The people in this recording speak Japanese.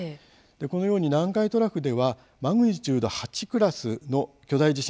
このように南海トラフではマグニチュード８クラスの巨大地震